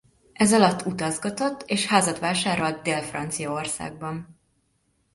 Ezalatt utazgatott és házat vásárolt Dél-Franciaországban.